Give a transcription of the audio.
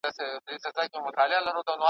هره شپه به مي کتاب درسره مل وي `